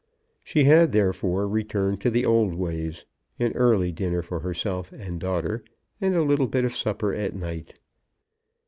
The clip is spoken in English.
She had, therefore, returned to the old ways, an early dinner for herself and daughter, and a little bit of supper at night.